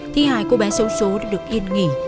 thi hài cô bé xấu xố đã được yên nghỉ